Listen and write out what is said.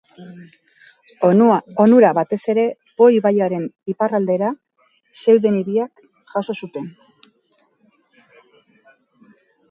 Onura, batez ere, Po ibaiaren iparraldera zeuden hiriek jaso zuten.